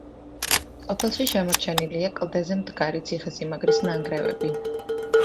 სოფელში შემორჩენილია კლდეზე მდგარი ციხე-სიმაგრის ნანგრევები.